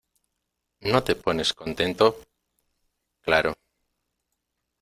¿ no te pones contento? claro...